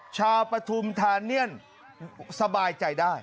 ชาวประธุมธานียนต์สบายใจได้